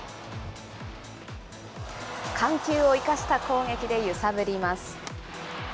緩急を生かした攻撃で揺さぶります。